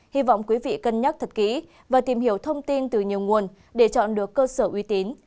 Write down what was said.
hy vọng quý vị cân nhắc thật kỹ và tìm hiểu thông tin từ nhiều nguồn để chọn được cơ sở uy tín